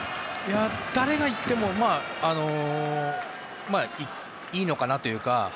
誰が行ってもいいのかなというか。